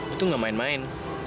itu gak main main